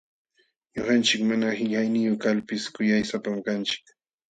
Ñuqanchik mana qillayniyuq kalpis kuyaysapam kanchik.